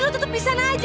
lo tetep di sana aja